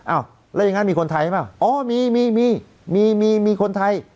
อ้าวแล้วยังงั้นมีคนไทยไหมอ๋อมีมีมีมีมีมีคนไทย